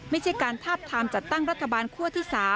ไม่ใช่การทาบทามจัดตั้งรัฐบาลคั่วที่๓